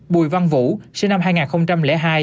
bùi văn vũ sinh năm hai nghìn hai